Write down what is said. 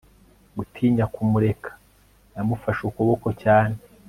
gutinya kumureka, namufashe ukuboko cyane